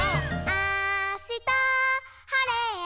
「あしたはれたら」